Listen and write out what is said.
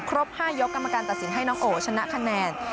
ครบ๕ยกกรรมการตัดสินให้น้องโอชนะคะแนน